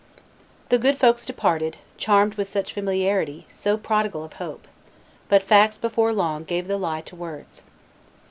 The good folks departed, charmed with such familiarity, so prodigal of hope; but facts before long gave the lie to words.